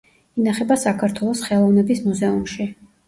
ინახება საქართველოს ხელოვნების მუზეუმში.